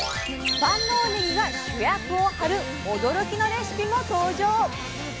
万能ねぎが主役を張る驚きのレシピも登場！